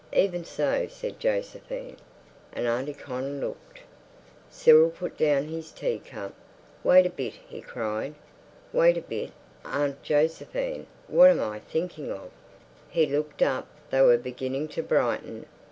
"Even so," said Josephine. And Auntie Con looked. Cyril put down his teacup. "Wait a bit," he cried. "Wait a bit, Aunt Josephine. What am I thinking of?" He looked up. They were beginning to brighten.